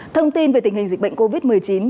thông tin về tình hình dịch bệnh covid một mươi chín